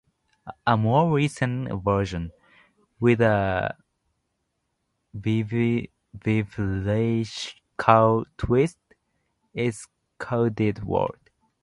A more recent version, with a biblical twist, is CodedWord.